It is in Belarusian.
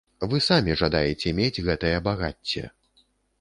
Вы самі жадаеце мець гэтае багацце.